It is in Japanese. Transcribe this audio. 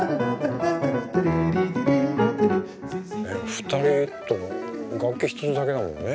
２人と楽器一つだけだもんね。